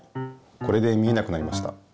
これで見えなくなりました。